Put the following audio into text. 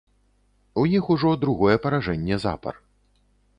У іх ужо другое паражэнне запар.